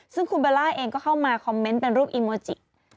ซึ่งคุณเบลล่าเองก็เข้ามาคอมเมนต์เป็นรูปอีโมจิ